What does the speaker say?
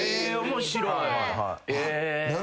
面白い。